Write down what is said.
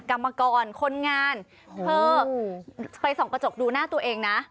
กรรมกรคนงานเธอไปส่องกระจกดูหน้าตัวเองนะ